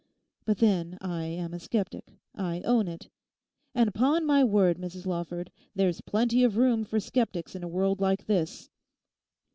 But then, I am a sceptic; I own it. And 'pon my word, Mrs Lawford, there's plenty of room for sceptics in a world like this.